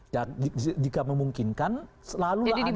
dan jika memungkinkan selalu ada keinginan